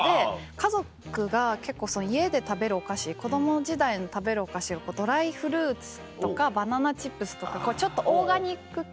家族が結構家で食べるお菓子子供時代食べるお菓子がドライフルーツとかバナナチップスとかちょっとオーガニック系。